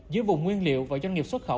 giữa vùng nguyên liệu và doanh nghiệp xuất khẩu